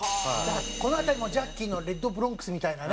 この辺りもジャッキーの『レッド・ブロンクス』みたいなね